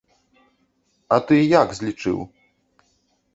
А ты як злічыў?